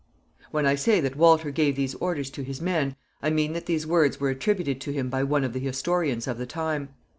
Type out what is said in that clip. When I say that Walter gave these orders to his men, I mean that these words were attributed to him by one of the historians of the time.